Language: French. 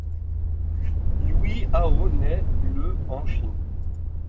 Liu Hao naît le en Chine.